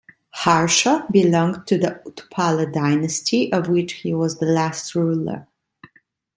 Harsha belonged to the Utpala dynasty, of which he was the last ruler.